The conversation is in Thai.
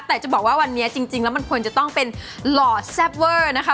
แต่จะบอกว่าวันนี้จริงแล้วมันควรจะต้องเป็นหล่อแซ่บเวอร์นะคะ